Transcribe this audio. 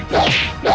dan si ki